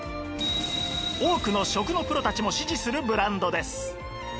多くの食のプロたちも支持するブランドです